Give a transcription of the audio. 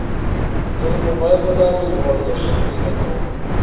زه د موبایل له لارې ورزش زده کوم.